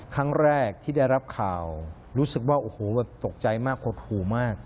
ครั้งแรกที่ได้รับข่าวรู้สึกว่าโอ้โหแบบตกใจมากหดหู่มาก